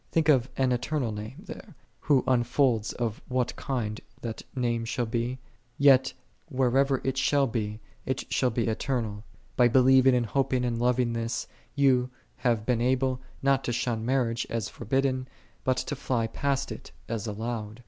"'7 Think of "an eternal name" there. l8 Who unfolds of what kind thai name shall be ? Yet, whatever it shall be, it shall be eternal. By believing and hoping and loving this, ye have been able, not to shun marriage, as forbidden, bul to fly past il, as allowed.